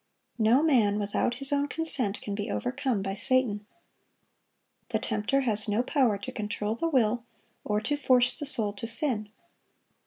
No man without his own consent can be overcome by Satan. The tempter has no power to control the will or to force the soul to sin.